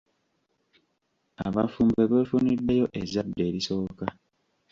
Abafumbo beefuniddeyo ezzadde erisooka.